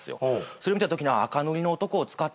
それを見たときに。